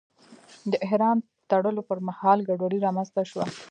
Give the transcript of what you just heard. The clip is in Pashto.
د احرام تړلو پر مهال ګډوډي رامنځته شوه.